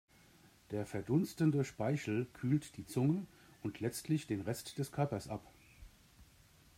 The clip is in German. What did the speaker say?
Der verdunstende Speichel kühlt die Zunge und letztlich den Rest des Körpers ab.